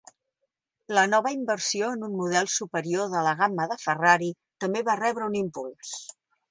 La nova inversió en un model superior de la gamma de Ferrari també va rebre un impuls.